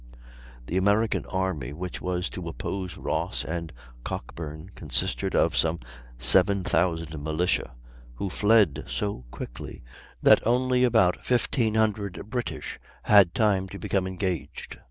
The American army, which was to oppose Ross and Cockburn, consisted of some seven thousand militia, who fled so quickly that only about 1,500 British had time to become engaged.